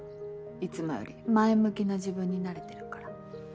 いつもより前向きな自分になれてるから。